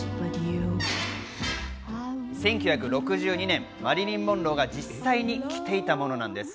１９６２年、マリリン・モンローが実際に着ていたものなんです。